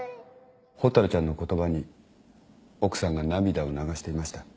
ほたるちゃんの言葉に奥さんが涙を流していました。